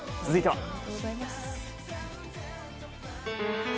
続いては。